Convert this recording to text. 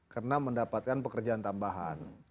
karena mendapatkan pekerjaan tambahan